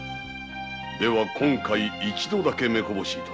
では今回一度だけ目こぼし致す。